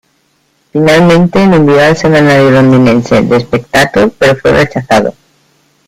Finalmente, lo envió al semanario londinense "The Spectator", pero fue rechazado.